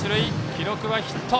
記録はヒット。